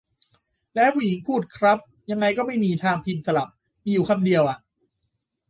แล้วให้ผู้หญิงพูด ครับ ยังไงก็ไม่มีทางพิมพ์สลับ มีอยู่คำเดียวอะ